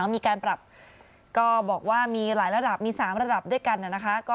มีการปรับก็บอกว่ามีหลายระดับมี๓ระดับด้วยกันนะคะ